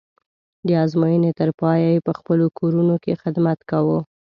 د ازموینې تر پایه یې په خپلو کورونو کې خدمت کوو.